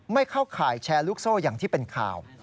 ไม่เข้าข่ายแชร์ลูกโซ่อย่างที่เป็นข่าว